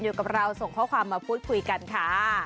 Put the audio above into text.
อยู่กับเราส่งข้อความมาพูดคุยกันค่ะ